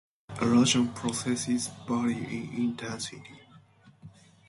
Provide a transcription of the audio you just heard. Erosion processes vary in intensity.